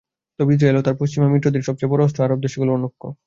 তবে ইসরায়েল ও তার পশ্চিমা মিত্রদের সবচেয়ে বড় অস্ত্র আরব দেশগুলোর অনৈক্য।